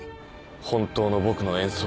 本当の僕の演奏を。